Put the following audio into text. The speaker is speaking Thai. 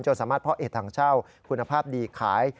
สามารถเพาะเอ็ดถังเช่าคุณภาพดีขาย